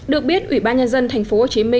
được biết ủy ban nhân dân tp hcm